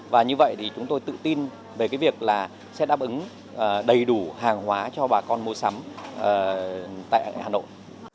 và như vậy thì chúng tôi tự tin về cái việc là sẽ đáp ứng đầy đủ hàng hóa cho bà con mua sắm tại hà nội